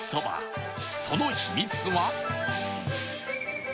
その秘密は